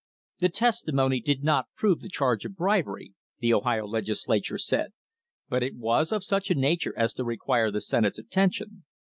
The testimony did not prove the charge of bribery, the Ohio Legislature said, but it was of such a nature as to require the Senate's attention.